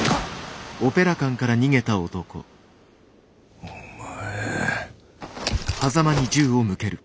お前。